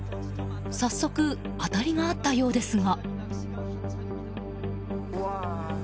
早速、当たりがあったようですが。